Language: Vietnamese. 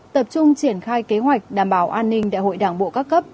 tập trung triển khai kế hoạch đảm bảo an ninh đại hội đảng bộ các cấp